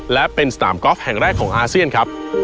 และเป็นสนามกอล์ฟแห่งแรกของอาเซียนครับ